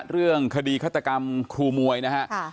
เรื่องคดีฆาตกรรมครูมวยนะฮะ